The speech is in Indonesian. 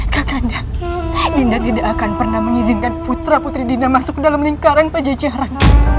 kak kanda dinda tidak akan pernah mengizinkan putra putri dinda masuk dalam lingkaran pejejaran